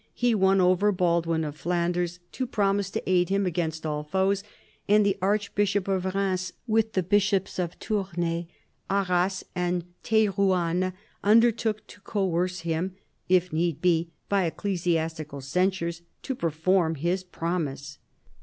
He won over Baldwin of Flanders to promise to aid him against all foes, and the archbishop of Eheims, with the bishops of Tournai, Arras, and Terouanne, undertook to coerce him, if need be, by ecclesiastical censures to per form his promise.